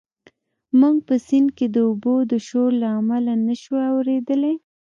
موږ په سیند کې د اوبو د شور له امله نه شوای اورېدلی.